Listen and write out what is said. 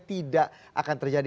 tidak akan terjadi